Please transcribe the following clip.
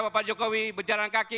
bapak jokowi berjalan kaki